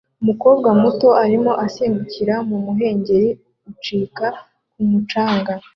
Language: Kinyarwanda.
Umukobwa muto arimo asimbukira mu muhengeri ucika ku mucanga